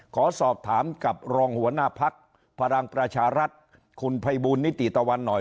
ขอสอบถามกับรองหัวหน้าพักพลังประชารัฐคุณภัยบูลนิติตะวันหน่อย